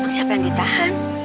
emang siapa yang ditahan